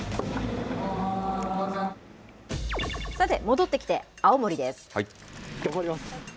さて、戻ってきて青森です。